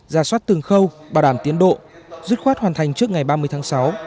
ra soát từng khâu bảo đảm tiến độ dứt khoát hoàn thành trước ngày ba mươi tháng sáu